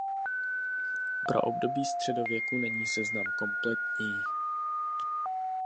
Pro období středověku není seznam kompletní.